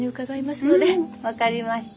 うん分かりました。